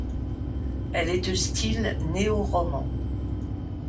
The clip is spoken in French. Elle est de style néo-roman.